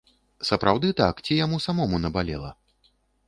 Сапраўды так, ці яму самому набалела?